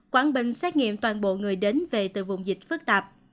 quảng bình xét nghiệm toàn bộ người đến về từ vùng dịch phức tạp